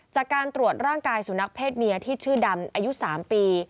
จากการตรวจร่างกายสุนัขเพศเมียที่ชื่อดำอายุ๓ปี